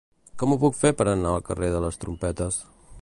Com ho puc fer per anar al carrer de les Trompetes?